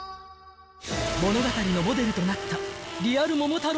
［物語のモデルとなった］